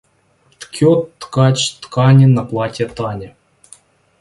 Ткет ткач ткани на платье Тане.